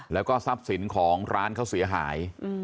แล้วก็ทรัพย์สินของร้านเขาเสียหาย